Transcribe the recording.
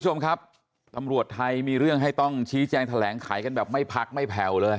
คุณผู้ชมครับตำรวจไทยมีเรื่องให้ต้องชี้แจงแถลงไขกันแบบไม่พักไม่แผ่วเลย